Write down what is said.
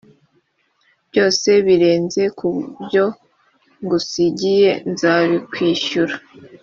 byose birenze ku byo ngusigiye nzabikwishyura